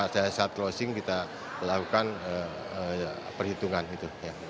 saat closing kita lakukan perhitungan gitu ya